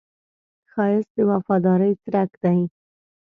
ښایست د وفادارۍ څرک دی